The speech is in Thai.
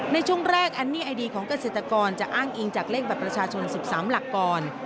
ในช่วงแรกอันนี้ไอดีของเกษตรกรจะอ้างอิงจากเลขบัตรประชาชน๑๓หลักกร